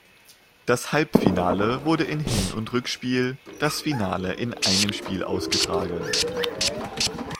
Das Halbfinale wurde in Hin- und Rückspiel, das Finale in einem Spiel ausgetragen.